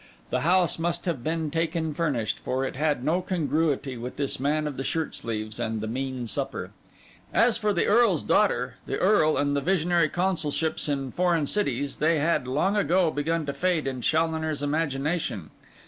The house must have been taken furnished; for it had no congruity with this man of the shirt sleeves and the mean supper. As for the earl's daughter, the earl and the visionary consulships in foreign cities, they had long ago begun to fade in Challoner's imagination.